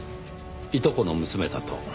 いとこの娘だ」と。